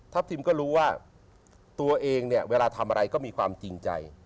พิมก็รู้ว่าตัวเองเนี่ยเวลาทำอะไรก็มีความจริงใจ